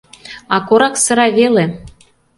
а корак сыра веле: